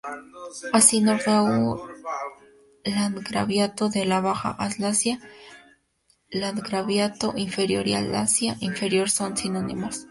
Así Nordgau, Landgraviato de la Baja Alsacia, Landgraviato inferior y Alsacia inferior son sinónimos.